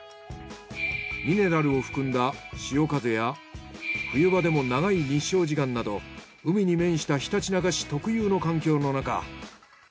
ミネラルを含んだ潮風や冬場でも長い日照時間など海に面したひたちなか市特有の環境のなか。